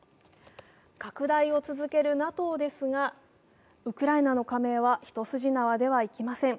拡大を続けるＮＡＴＯですが、ウクライナの加盟は一筋縄ではいきません。